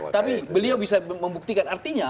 tapi beliau bisa membuktikan artinya